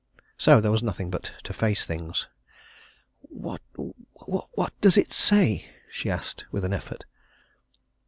So there was nothing but to face things. "What what does it say?" she asked, with an effort.